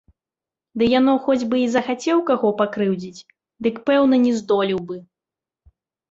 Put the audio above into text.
Ды яно хоць бы й захацеў каго пакрыўдзіць, дык, пэўна, не здолеў бы.